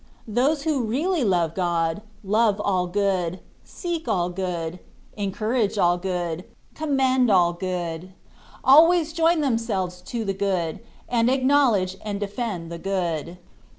Those who really love God, love all good — seek all good — en THE WAY OF PERFECTION. 203 courage all good — commend aU good — always join themselves to the good^ and acknowledge and de fend the good.